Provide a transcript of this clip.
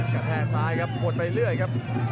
กระแทกซ้ายครับหมดไปเรื่อยครับ